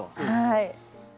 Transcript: はい。